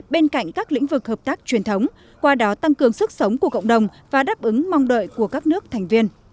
bên cạnh các lĩnh vực hợp tác truyền thống qua đó tăng cường sức sống của cộng đồng và đáp ứng mong đợi của các nước thành viên